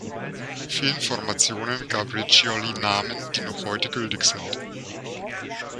Vielen Formationen gab Riccioli Namen, die noch heute gültig sind.